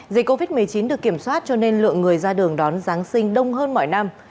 dịch covid một mươi chín được kiểm soát cho nên lượng người ra đường đón giáng sinh đông hơn mọi năm